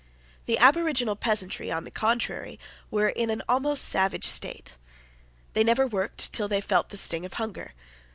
The aboriginal peasantry, on the contrary, were in an almost savage state. They never worked till they felt the sting of hunger.